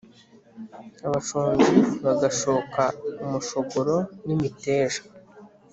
abashonji bagashoka umushogoro n’imiteja